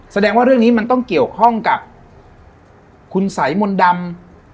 แสดงว่าเรื่องนี้มันต้องเกี่ยวข้องกับคุณสัยมนต์ดำ